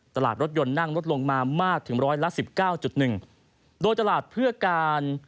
ตลาดรถยนต์นั่งลดลงมามากถึง๑๑๙๑